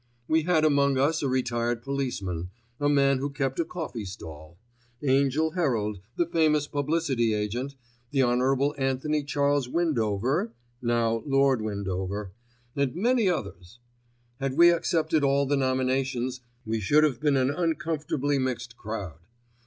We had among us a retired policeman, a man who kept a coffee stall, Angell Herald, the famous publicity agent, the Honourable Anthony Charles Windover (now Lord Windover), and many others. Had we accepted all the nominations, we should have been an uncomfortably mixed crowd.